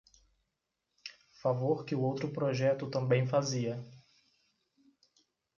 Favor que o outro projeto também fazia.